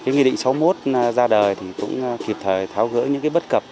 nghị định sáu mươi một ra đời thì cũng kịp thời tháo gỡ những bất cập